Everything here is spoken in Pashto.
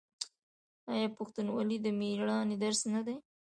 آیا پښتونولي د میړانې درس نه دی؟